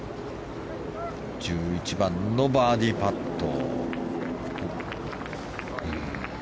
１１番のバーディーパット。